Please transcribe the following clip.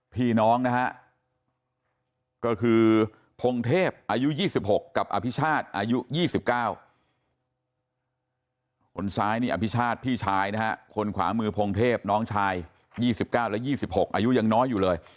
พี่น้องนะฮะก็คือพงเทพอายุ๒๖กับอภิชาติอายุ๒๙คนซ้ายนี่อภิชาติพี่ชายนะฮะคนขวามือพงเทพน้องชาย๒๙และ๒๖อายุยังน้อยอยู่เลย